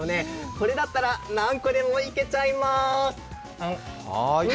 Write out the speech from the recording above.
これだったら何個でもいけちゃいます。